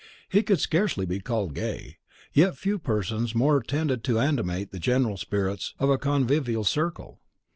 He could scarcely be called gay; yet few persons more tended to animate the general spirits of a convivial circle.